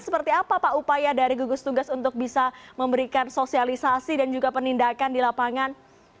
seperti apa pak upaya dari gugus tugas untuk bisa memberikan sosialisasi dan juga penindakan di lapangan